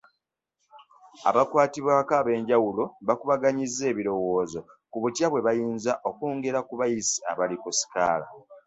Abakwatibwako ab'enjawulo bakubaganyizza ebirowoozo ku butya bwe bayinza okwongera ku bayizi abali ku sikaala.